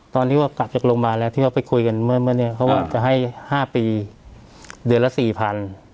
ตอนที่กลับจากโรงพยาบาลแล้วที่เราไปคุยกันเมื่อเนี่ยเขาจะให้๕ปีเดือนละ๔๐๐๐